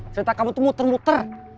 cerita kamu tuh muter muter